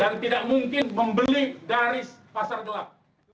dan tidak mungkin membeli dari pasar gelap